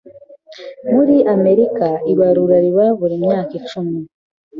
Muri Amerika, ibarura riba buri myaka icumi.